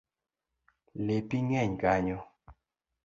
Lepi ng’eny kanyo